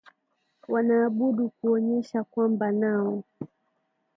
wanaabudu kuonyesha kwamba nao